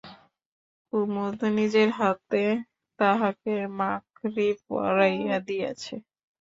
কুমুদ নিজের হাতে তাহাকে মাকড়ি পরাইয়া দিয়াছে।